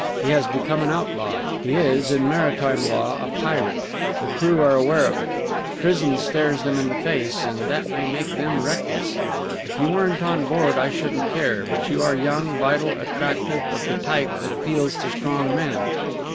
He has become an outlaw; he is in maritime law a pirate. The crew are aware of it; prison stares them in the face, and that may make them reckless. If you weren't on board I shouldn't care. But you are young, vital, attractive, of the type that appeals to strong men.